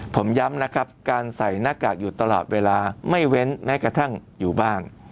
ผมย้ำนะครับการใส่หน้ากากอยู่ตลอดเวลาไม่เว้นแม้กระทั่งอยู่บ้าน